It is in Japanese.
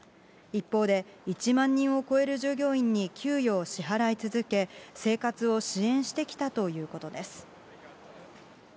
一方で１万人を超える従業員に給与を支払い続け、生活を支援してきたということです。